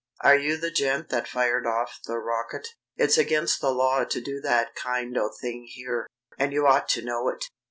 "Are you the gent that fired off the rocket? It's against the law to do that kind o' thing here, and you ought to know it.